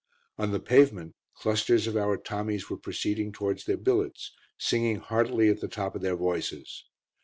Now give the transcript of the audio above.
On the pavement clusters of our Tommies were proceeding towards their billets, singing heartily at the top of their voices.